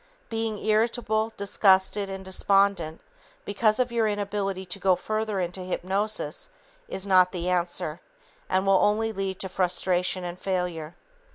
Being irritable, disgusted and despondent because of your inability to go further into hypnosis is not the answer and will only lead to frustration and failure.